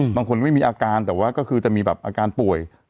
บางคนไม่มีอาการแต่ว่าก็คือจะมีแบบอาการป่วย